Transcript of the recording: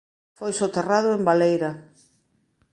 Foi soterrado en Baleira.